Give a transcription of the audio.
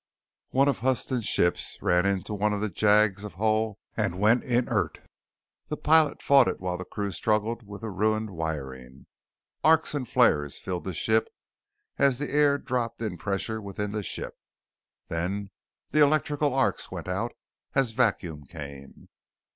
One of Huston's ships ran into one of the jags of hull and went inert. The pilot fought it while the crew struggled with the ruined wiring. Arcs and flares filled the ship as the air dropped in pressure within the ship, then the electrical arcs went out as vacuum came.